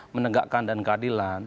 menegakkan dan keadilan